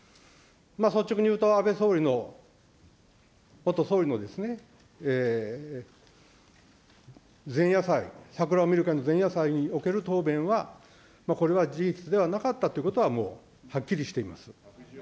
率直に言うと安倍総理の、元総理の前夜祭、桜を見る会の前夜祭における答弁は、これは事実ではなかったということは、もうはっきりしています。